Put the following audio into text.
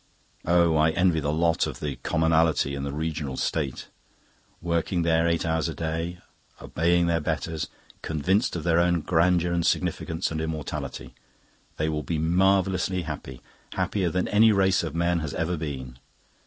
Oh, I envy the lot of the commonality in the Rational State! Working their eight hours a day, obeying their betters, convinced of their own grandeur and significance and immortality, they will be marvellously happy, happier than any race of men has ever been.